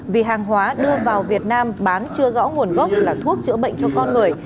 vì hàng hóa đưa vào việt nam bán chưa rõ nguồn gốc là thuốc chữa bệnh cho con người